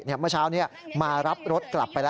เมื่อเช้านี้มารับรถกลับไปแล้ว